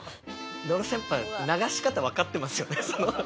野呂さんやっぱ流し方分かってますよね。